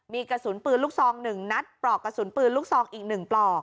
มีกระสุนปืนลูกซอง๑นัดปลอกกระสุนปืนลูกซองอีก๑ปลอก